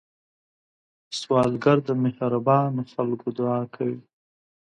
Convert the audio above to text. سوالګر د مهربانو خلکو دعا کوي